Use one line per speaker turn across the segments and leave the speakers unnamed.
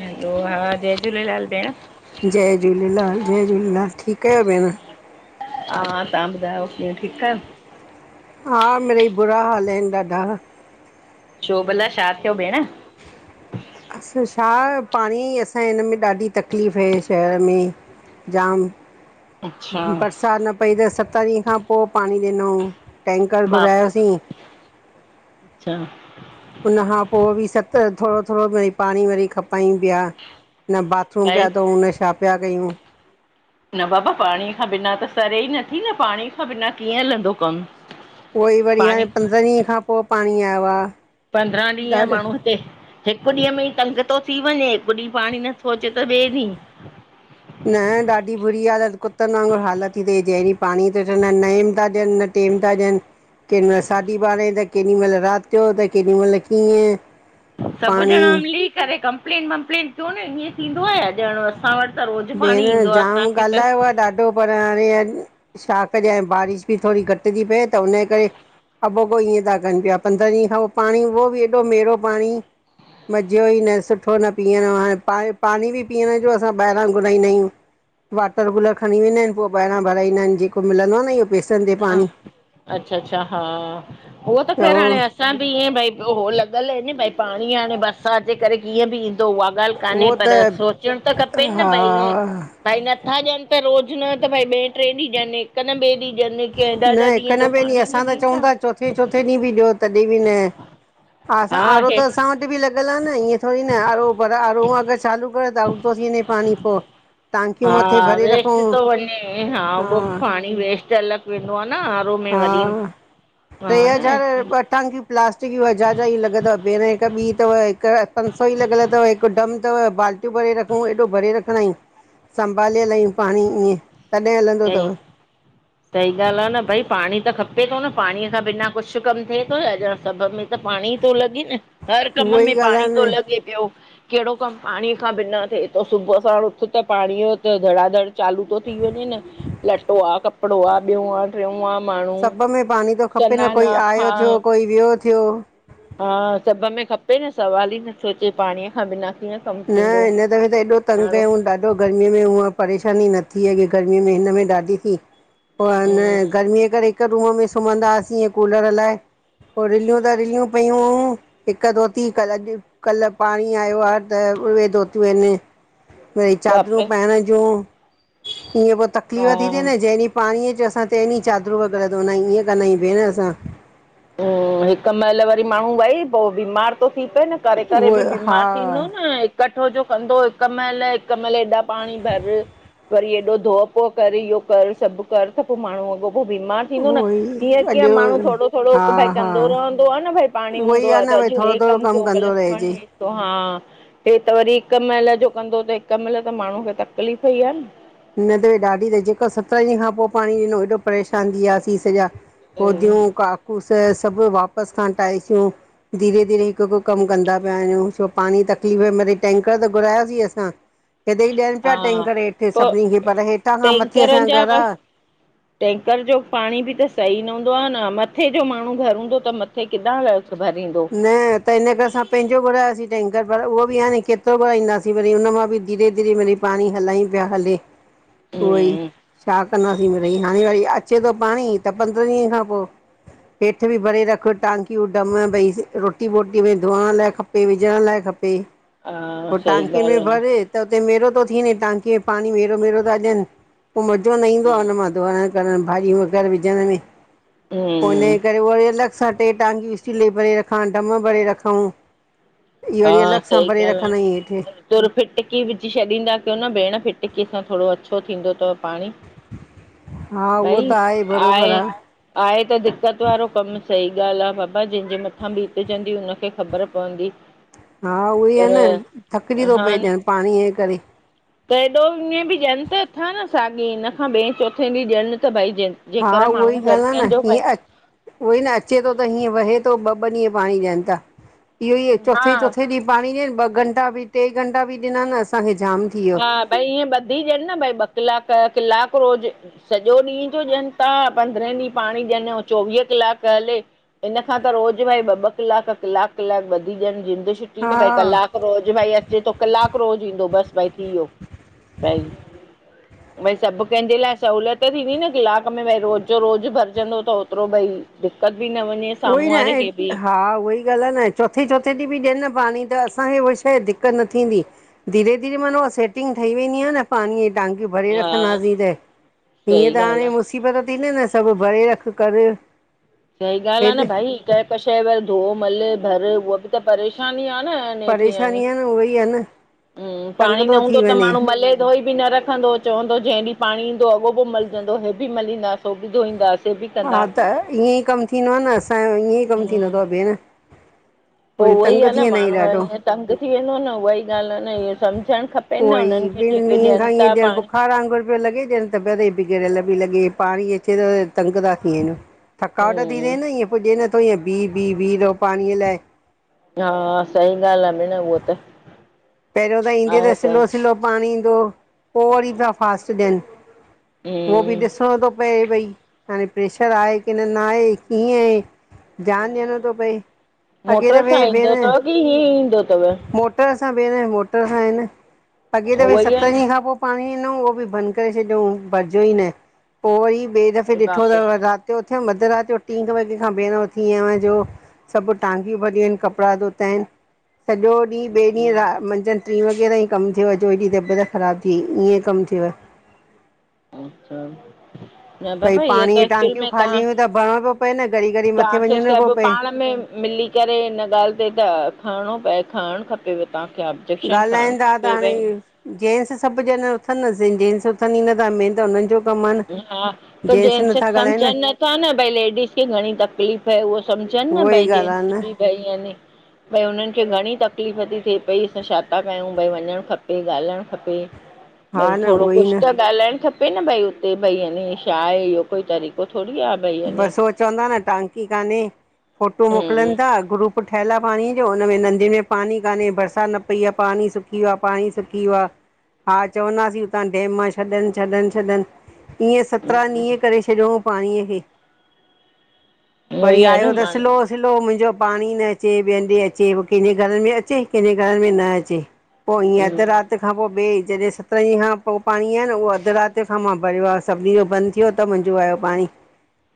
हलो हा जय झूलेलाल भेण।
जय झूलेलाल जय झूलेलाल ठीक आयो भेण?
हा तहां ॿधायो कीअ ठीक आयो?
हा मिरई बुरा हाल आहिन ॾाढा
छो भला छा थियो भेण?
असां छा पाणी असांजे हिन में ॾाढी तकलीफ़ आहे शहर में। जाम
अच्छा
बरसात न पई त सत ॾींह खां पो पाणी ॾिनो टैंकर
बाप
घुरायोसीं।
अच्छा
उन खां पो बि सत थोरो-थोरो वरी पाणी वरी खपाइन पया। न बाथरूम
भई
पया धोउ न छा पया कयू?
न बाबा पाणी खां बिना त सरे ई नथी न पाणी खां बिना कीअं हलंदो कम?
उओहि वरी हाणे पंद्रहं ॾींहं खां पो पाणी आयो आ।
पंद्रहां ॾींहं माण्हू हिते हिकु ॾींहुं में ई तंग थो थी वञे हिकु ॾींहुं पाणी नथो अचे त ॿिए ॾींह।
न ॾाढी बुरी हालत कुतनि वांगुरु हालत ती थिए जंहिं ॾींहु पाणी थ विय नएम था ॾियनि टेम था ॾियनि। केॾी महिल साढी ॿारहं त केॾी महिल रात जो त केॾी महिल कीअं।
सभ
पाणी
ॼणा मिली करे कंप्लेन वंप्लेन कयो न ईअं थींदो आ या ॼण असां वट
भेण जाम ॻाल्हायो आ ॾाढो पर हाणे छा कजे बारिश बि थोरी घट थी पए त हुनजे करे अॻोपो ईअं था कनि पिया, पंद्रहं ॾींहं खां पो पाणी उहो बि ऐॾो मेरो पाणी। मज़ो ई न सुठो न पीअण हाणे पा पाणी बि पीअण जो असां ॿाहिरि उतां घुराईंदायु वटर कूलर खणी वेंदा आहिनि पो ॿहिरां भराईंदा इन जेको मिलंदो आ न पैस
ह अच्छा -अच्छा हा, उहो त ख़ैर हाणे असां बि ईअं भाई हो लॻियल आहे न भाई पाणी हाणे बरसात जे करे कीअं बि ईंदो ॻाल्हि कान्हे पर
त
सोचणु त खपे न
हा
भाई ईअं भाई नथा ॾियनि त रोज़ न त भाई ॿिए ट्रे ॾींहं ॾियनि हिक न ॿिए ॾींहं ॾियनि की ऐॾा
न
ऐॾा
हिकु
ॾींहं जो
न ॿिए ॾींहुं
पाणी
असां
न
त चऊं
ॾींदा।
था चोथे चोथे ॾींहुं बि ॾियो तॾहिं बि न, असां
हा
आरो त
हे
असां वट बि लॻियल आ न ईअं थोरी न आ आरो पर आरो अगर चालू करे त आउट थो थी वञे पाणी पो
हा वेस्ट थो वञे हा, उहो बी पाणी वेस्ट अलॻ वेंदो आ न आरो में वरी
हा, ट्रे
हा न
हज़ार ॿ टांकीयू प्लास्टिक जी हज़ार जी ई लॻिय तव भेण हिक ॿी तव हिक पंज सौ ई लॻियल तव हिकु डम तव बाल्टी बालटियूं भरे रखूं एॾो भरे रखंदा आहियूं संभाले हलायुं पाणी ईअं, तॾहिं हलंदो
सही
तव। [inaudible]
सही ॻाल्हि आ न भाई पाणी त खपे थो न पाणीअ खां बिना कुछ कम थिए थो छा ॾण सभ में- त पाणी थो लॻे न, हर कम
उहो
में
ई
पाणी
ॻाल्हि
थो
आहे न
लॻे। ॿियो कहिड़ो कम पाणीअ खां बिना थिए थो सुबुह साण उथि त पाणी त धड़ाधड़ चालू थो थी वञे न लटो आ कपड़ो आ ॿियो आ ट्रियों आ माण्हू
सभ में पाणी तो खपे न,
सनान
कोई
आ
आयो
हा
थियो कोई वियो थियो।
हा सभ में खपे न सवाल ही नथो अचे पाणीअ खां बिना कीअं कमु
न
थींदो
हिन दफ़े त एॾो तंग
माण्हू
कयूं ॾाढ ऐॾो गर्मीअ में हूअं परेशानी न थी अॻे, गर्मीअ में हिनम में ॾाढी थी। पो हान
हम्म
गर्मीअ जे करे हिक रूम में सुम्हंदा हुआसीं हिअं कूलर हलाए। पो रिलियूं त रिलियूं पयूं, हिक धोती कल्ह अॼु कल्ह पाणी आयो आ त उहे धोतियूं आहिनि वरी चादरूं
बापरे
पाइण जूं ईअं पो तक तकलीफ़ थी
हा
थेए न जेंहिं ॾींहं पाणीअ अचे असांं ते ॾींहु चादरू व़ैगरह धोअंदायु ईअं कंदा आहियूं भेण असां।
हम्म हिक महिल वरी माण्हू भाई पो बीमार थो थी पए न। करे करे
उहो
बि
हा
बीमार थींदो न इखठो जो कंदो हिक महिल हिक महिल ऐॾा पाणी भर वरी एॾो धोओ पो कर इहो कर सभ कर त पो माण्हू अॻोपो बीमार थींदो न
उहो ई
हीअं कीअं
अॼु
माण्हू थोड़ो
हा
भाई कंदो
हा
रहंदो आ न भाई पाणी
उहो
हूंदो
ई आहे
आ त
न भई
अॼु
थोरो
हे
थोरो
कम
कमु
कयू
कंदो
कल
रहिजे
सुभाणे हे हा हे त वरी हिक महिल जो कंदो त हिक महिल त माण्हूअ खे तकलीफ़ ही आ न।
न त ॾाढी तई जेको सतरहं ॾींहंनि पो पाणी ॾिनो एॾो परेशान थी वियासीं सॼा
हम्म,
होदियूं काकूस सभ वापसि खां हटाईसूं धीरे धीरे हिकु हिकु कम कंदा पिया वञयूं छो त पाणी तकलीफ़ में रई टैंकर त घुरायोसीं असां। हेॾेी ॾियनि पिया
हा
टैन्कर हेठि
पोइ
सभिनी खे पर हेठां खां मथे असांजा घर आ [inaudible]
टेंंकर जो पाणी बि त सही न हूंदो आ न मथे जो माणहू घर हूंदो त मथे किॾां भरींदो।
न त हिन करे असां पंहिंजो घुरायोसीं टैंकर पर उहो बि आणे नी केतिरो घुराईंदासीं वरी हुन मां बि धीरे धीरे वरी पाणी हलायू पिया हले उह ई
हम्म
छा कंदासीं हाणे वरी अचे थो पाणी त पंद्रहं ॾींहंनि खां पो हेठि बि भरे रख टांकियूं डम भई रोटी वोटी में धोअण लाइ खपे विझण लाइ खपे
हा
पो
सही
टांकियुनि में
ॻाल्हि
भरे त उते मेरो थो थी वञे टांकी में पाणी मेरो मेरो था ॾियनि पो मज़ो न ईंदो आ हुन मां धोअण करण भाॼियूं वग़ैरह विझण में
हूं!
इनजे करे वरी अलॻि सां टे टांकियूं स्टील भरे रखां डम भरे रखूं। इहो
हा
वरी अलॻ सां
सही
भरे
ॻाल्हि
रखंदा आहियूं हेठ।
आ तुर फिटकी विझी छॾींदा कयो न भेण फिटकीअ सां थोड़ो अच्छो थींदो तव। पाणी
हा उहो
भई
त आहे बरोबरु
आए
आहे
आहे त दिक़त वारो कम सही ॻाल् आ बाबा जंहिंजे मथां बीतजंदी हुनखे ख़बर पवंदी।
हा उहे आ
पर
न थकिजी थो
हा
पए
न
ञण पाणीअ जे करे।
त हेएॾो ईअं बि ॾियन त थथा न साॻे हिन खां ॿिए चौथे ॾींहुं ॾियन त भई ॾंनि
हा उहा ई ॻाल् आ न हीअं अ उहो ई न अचे थो त हीअं वहे थो ॿ ॿ ॾींहं पाणी ॾियनि था इहो ई
हा
चोथे चोथे ॾींहुं पाणी ॾियनि ॿ घंटा बि ट्रे घंटा बि ॾिना आहिनि असांखे जाम थी वियो
हा भई ईअ ॿधी जनि न भई ॿ कलाक कलाक रोज सॼो ॾींहुं जो ॾियन था पंद्रहें ॾींहं पाणी ॾियो चोवीह कलाक हले हिनन खां त रोज़ु भाई ॿ ॿ कलाक- कलाक कलाक ॿी ॾियनि जिंद न
हा
भई कलाक रोज भई अचे थो कलाक रोज़ ईंदो बस भई थी वियो भई
ह [inaudible]
भई सब कंहिंजे लाइ सहुलियत थींदी न कलाक में भई रोज़ जो रोज भरजंदो त ओतिरो भई दिक़त बि न म
उहोई न आहे हा उहोई। ॻाल्हाए न आहे चोथे चोथे ॾींहुं बि ॾियनि न पाणी त असांखे उहा शइ दिक़त न थींदी। धीरे धीे मानाहा सेटिंग ठही वेंदी आहे न पाणीअ टांगियूं भरे
हा
रखंदासीं हं
सही
त
ॻाल्हि
हाणेस
आ
मुसीबत थींदे न सभु भरे रख कर।
सही ॻाल्
हेॾ
आहे न भई कंहिं क शइ व धो मल भर उहा बि त परेशानी ई आहे न। नेठि यानी
परेशानी आहे न उहई आहे न
हम्म पाणी
तंग
न
थो
हूंदो
थी
त
वञे।
माण्हू मले धोई बि न रखंदो चवंदो जंहिं ॾींहुं पाणी ईंदो अॻो पोइ मलजंदो इहे बि मलींदासीं उ बि धोईंदासीं। हे बि
हा त
कंदासीं
ईअं ई कमु थींदो आहे न असांजो ईअं ई कमु थींदो अथव भेण।
पोइ
वरी
उहो ई
तंग
आहे
थी
न
वेंदा आहियूं
माण्हू
ॾाढो
ईअं तंग थी वेंदो न उहाई ॻाल्हि आहे न इअ सम्झणु खपे।
उहो ई ॿिनि ॾींहंनि खां ईअ ॾियण बुखार वांगुर लॻे जण तॿियत ते बिगड़े ली लॻे पी अचे त तंग त थीएन। थकावट थी
हम्म
रिहे न ईअं पुॼ नथो ईअं बीह बीह बीह रहो पाणीअ लाइ।
हा सही ॻाल्हि आहे भेण उहो त।
पहरियों त ईंदो त स्लो स्लो पाणी ईंदो हु पोइ वर पया फास्ट ॾियन। उहो बि
हम्म
ॾिसणो थो पए भई हाणे प्रेशर आहे की न न आहे कीअं आहे। ध्यान दियणो तो
हा
पए अॻे त
मोटर
भ
सां
फेण
ईंदो अथव की हीअं ईंदो अथव
मोट मोटर सां भेण मोटर सां आहिनि अॻे त भ
उहो ई
सत
आहिनि
ॾींहं खां पोइ पाणी इंदो उहो बि बंद करे छॾियऊं भरिजियो ई न पोइ वरी ॿिए दफ़े
अरे
ॾिठो
बाप रे
अथव रात उते उते अदरात जो ट्री वगे खां भीरां उथी आहियां जो सभु टांकियूं भरियूं आहिन कपड़ा धोता आहिन सॼो ॾींहुं ॿिए ॾींहुं रा मंझंदि ट्री वॻे ताईं कमु थियो जो हेॾी तबियत ख़राब थी वई ईअं कमु थियव।
च [inaudible] न
भई
बाबा इअ
पाणीअ
त
जी
एक्चुअल
टांकियूं
में
खाली
तव्हां
हुयूं त भरिणो पियो पए न घड़ी घड़ी मथे
तव्हांखे
वञिणो पियो
सभु
पए
पाण में मिली करे हिन ॻाल्हि ते त खणिणो पए खणणु खपेव तव्हांखे। मूंखे ऑब्जेक्शन खणणु खपे भई।
जेंन्स सभु ॼण उथंदसीं जेंट्स उथन ही नथा म त हुननि जो कमु आहे न
ह- हा! त
जेंट्स
जेनस
नथा ॻाल्हाइनि
समझन नथा न भई लेडस खे घणी तकलीफ़ ह उो समझनि न भई। जेंट्स
कन [inaudible]
बि भई यानि भई हुननि खे घणी तकलीफ़ थी थिए पई असां छा था कयूं भाई वञणु खपे ॻाल्हाइणु खपे।
ह [inaudible]
भई थोरो कुछ त ॻालाहाइण खपे न भई हुते भई न छा आहे इहो कोई तरीक़ो थोरी आ।
बसि उअ चवंदा न टांकी कान्हे, फोटू
हम्म
मोकिलन था ग्रुप पोइ ठहियल आहे पाणीअ जो हुन में नदी में पाणी कान्हे बरसात न पई आहे पाणी सुकी वियो आहे पाणी सुकी वियो आहे। हा चवंदासीं हुतां डेम मां छॾन- छॾन-छॾन। ईअ सत्रहं
हम्म
ॾींहं करे छॾियऊं पाणीअ खे।
उहो
वरी
ई आहे
आयो
न
दस
माण्हू
लो सिलो मुंहिंजो पाणी न अचे ॿे हं्डे अचे पोइ कंहिंजे घर में अचे कंहिंजे घर में न अचे। पोइ ईअं
हम्म
अध रात सत खां पोइ ॿए जॾहिं सतरन ॾींहं खां पोइ पाणी आहे न उहो अधु राति खां मां भरियो आहे सभिनी जो बंद थियो त मुंहिंजो आहियो पाणी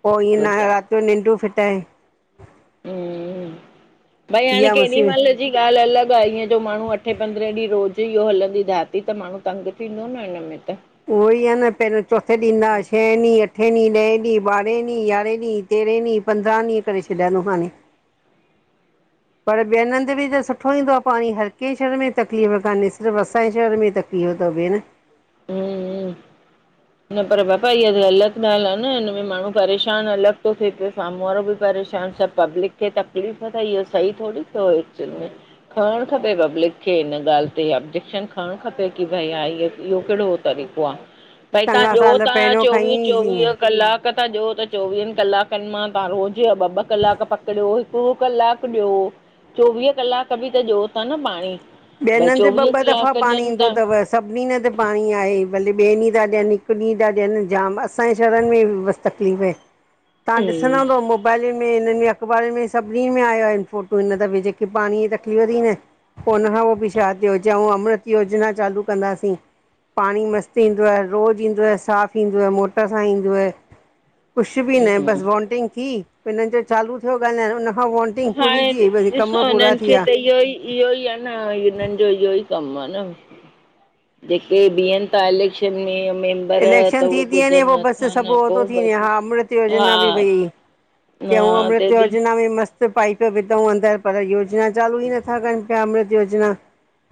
पोइ ईअं
ॿियो
न
छा
राति जो निंडूं फिटाए
हम भई हाणे
इहा
केॾी महिल
मुसीबत
मुंहिंने जी ॻाल अलॻ आहे ईअं जो माणहू अठें पंद्रहें ॾींहं रोज़ ई इहो हलंदी धाती त माणहू तंग थींदो न। अम्य त [inaudible]
उहो ई आहे न पहिरियों चोथे ॾींदा छह अठ ॾींहु ॾह ॾींं ॿारहेंॾीं यारहीं तेरहेंींहंंदहं ॾींह करे छॾियां थो हाणे। [inaudible] पर ॿियन हंध बि त सुठो ईंदो आहे पाणी हर कंहिं शहर में तकलीफ़ कान्हे सिर्फ़ु असांजे शहर में तकलीफ इहो त भेण
हम्म न पर बापा इहा त ग़लतगाल आहे न हिन में माण्हू परेशानु अलॻि थो थिए प साम्हूं वारो बि परेशानु सब पब्लिक खे तकलीफ़ त इहो सही थोरी थियो हिच खणणु खपे पब्लिक खे हिन ॻाल्हि ते ऑब्जेक्शन खणणु खपे की भई हा इह इहो कहिड़ो तरीक़ो आहे भई तव्हां
चङा
ॾियो
साल
ता
पहिरियों खईं
चोवीह
हुईसीं
चोवीह कलाक पक था ॾियो त चोवीहनि कलाकनि मां तव्हां रोज़ा ॿ ॿ कलाक पकड़ियो हिकु कलाकु ॾियो चोवीह कलाक बि त ॾ था न पाणी।
ॿियन
भई
हंध ॿ
चोवीह
ॿ दफ़ा
कलाक
पाणी
ॾियनि
ईंदो
था
अथव। सभिनी न त पाणी आहे भले ॿिए ॾींहुं था ॾियनि हिक ॾींहुं था ॾियनि जाम असांजे शहरनि में तकलीफ़ तव्हां ॾिसंदा
हम्म
हूं मोबाइलुनि में हिननि में अख़बारुनि में सभिनीनि में आयो आहिनि फोटू हिन दफ़े जेके पाणीअ जी तकलीफ़ थी न। पो हुन खां पो भी छा थियो, चऊं अमृत योजना चालू कंदासीं। पाणी मस्तु ईंदव, रोज़ु ईंदव, साफ़ु ईंदव, मोटर सां ईंदव। कुछ बि न
हम्म
बसि बॉंटिंग थी हिननि जो चालू थियो ॻाल्हाइणु, उनखां पो
हाणे ॾिसो हिननि खे त इहो ई इहो ई आ न हिननि जो इहो ई कम आ न। जेके बिहनि ता इलेक्शन में त
इलेक्शन थी
उहे
ती वञे
ॿुधनि
पो बसि
नथा
सभु
न
उहो तो
पोइ
थी वञे,
बसि
हा अमृत
हा
योजना बि भई चयऊं
न
अमृत
तॾहिं
योजना में मस्त पाइप विधऊं अंदरि पर योजना चालू ई नथा कनि पिया, अमृत योजना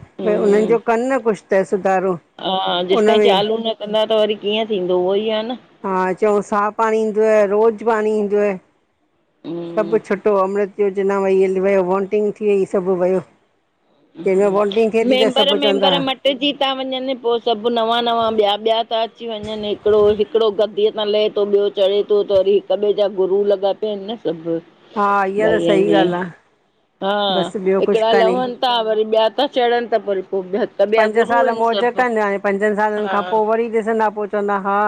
भई उन्हनि
हम्म
जो कनि न कुछ त सुधारो।
हा, जेसिताईं
उनमें
चालू न कंदा त वरी कीअं थींदो उहो ई आ न।
हा चऊूं साफ पाणी ईंदव, रोज़ु पाणी ईंदव, सभु
हम्म
छुटो अमृत योजना वई हली, वियो वॉंटिंग थी वई सभु वयो जंहिंमहिल बॉंटिंग थे ती त सभु चवंदा हा,
ॿिजी ता वञनि पो सभु नवां -नवां ॿिया -ॿिया ता अची वञनि, हिकिड़ो -हिकिड़ो गद्दीअ तां लहे तो ॿियो चढ़े तो त वरी हिक ॿिए जा गुरू लॻा पिया आहिनि न सभु
हा इहा त
भईयन
सही
में,
ॻाल्हि आहे
हा
बसि ॿियो कुझु
हिकिड़ा
कान्हे
लवनि ता वरी ॿिया ता चढ़नि त वरी पो ॿिया त ॿिया
पंज
गुरू
साल
आहिनि
मौज
सभु
कनि, हाणे पंजनि सालनि
हा
खां पो वरी ॾिसंदा पो चवंदा हा,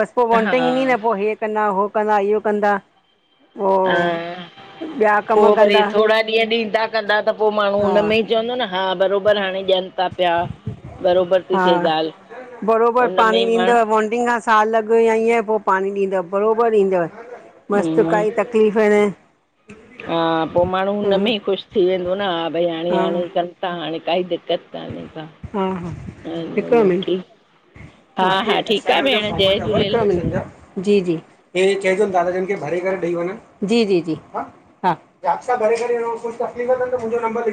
बसि पो
हा
वॉनटिंग ईंदी न पो हे कंदा, हो कंदा, इहो कंदा, पोइ
हा,
ॿिया
पो
कम
वरी
कंदा
थोड़ा ॾींहं ॾींदा कंदा त पो माण्हू
हा
हुन में ई चवंदो न हा बरोबरि हाणे ॾियनि ता पिया, बरोबरि ती थे ॻाल्हि।
बरोबर
हुन में
पाणी
ई माण्हू
ॾींदा। बॉडिंग अस सालु अॻ या ईअं पो पाणी ॾींदव, बरोबरि ॾींदव। मस्तु
हम्म
काई तकलीफ़ न।
हा पोइ माण्हू हुन
हूं
में ई ख़ुशि थी वेंदो न हा भई हाणे- हाणे कनि ता हाणे काई दिक्कत
हा हिकुड़ो मिंट
ठीकु हा हा
हाए
ठीकु आहे
आ
भेण जय झूलेलाल
ज [inaudible] जी जी इहे चइजोनि दादा जनि खे भरे करे ॾेई वञनि जी जी जी हा। हा जासा भरे करे कुझु तकलीफ़थनि त मुंहिंजो नंबर लिखे। [unintelligible]